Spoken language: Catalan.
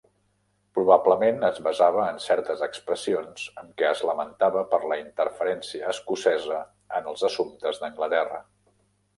Probablement es basava en certes expressions amb què es lamentava per la interferència escocesa en els assumptes d'Anglaterra.